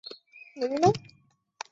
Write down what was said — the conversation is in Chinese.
正八面体也是正三角反棱柱。